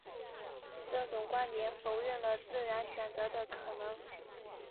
这种观点否认了自然选择的可能。